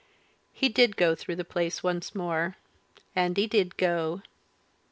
He did go through the place once more and he did go.